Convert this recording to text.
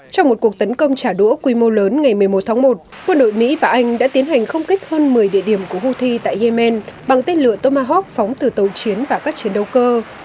trong một cuộc tấn công trả đũa quy mô lớn ngày một mươi một tháng một quân đội mỹ và anh đã tiến hành không kích hơn một mươi địa điểm của houthi tại yemen bằng tên lửa tomahawk phóng từ tàu chiến và các chiến đấu cơ